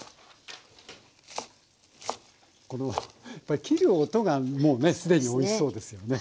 この切る音がもうねすでにおいしそうですよね。